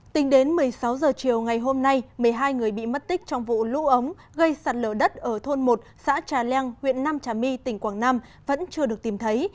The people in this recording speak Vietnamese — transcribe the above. tính đến một mươi sáu h chiều ngày hôm nay một mươi hai người bị mất tích trong vụ lũ ống gây sạt lở đất ở thôn một xã trà leng huyện nam trà my tỉnh quảng nam vẫn chưa được tìm thấy